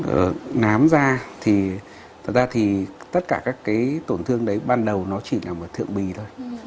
ở nám da thì tất cả các cái tổn thương đấy ban đầu nó chỉ là một thượng bì thôi